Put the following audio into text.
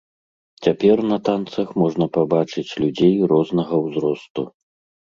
Цяпер на танцах можна пабачыць людзей рознага ўзросту.